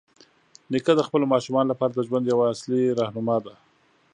نیکه د خپلو ماشومانو لپاره د ژوند یوه اصلي راهنما دی.